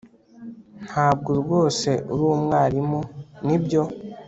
Ntabwo rwose uri umwarimu nibyo